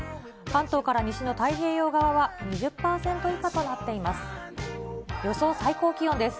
関東から西の太平洋側は２０％以下となっています。